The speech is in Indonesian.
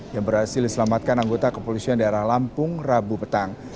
yang berhasil diselamatkan anggota kepolisian daerah lampung rabu petang